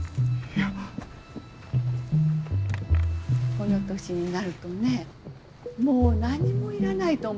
この年になるとねもう何もいらないと思っていたの。